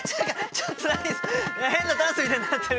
ちょっと何変なダンスみたいになってるから。